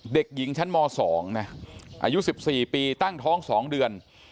เด็กหญิงชั้นม๒นะอายุ๑๔ปีตั้งท้อง๒เดือน